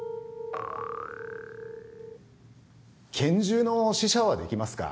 拳銃の試射はできますか？